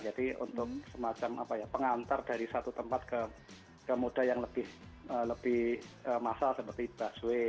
untuk semacam pengantar dari satu tempat ke moda yang lebih masal seperti busway